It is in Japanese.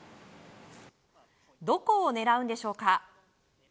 どこを狙うんでしょうかか。